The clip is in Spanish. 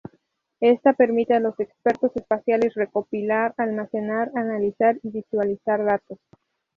Esta permite a los expertos espaciales recopilar, almacenar, analizar y visualizar datos.